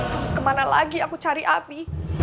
harus kemana lagi aku cari abi